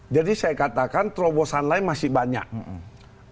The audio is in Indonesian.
jadi saya katakan cuma orang pintar cerdas cuman gak benar masuk penjahat pun kena sial